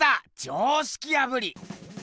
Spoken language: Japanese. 常識破り！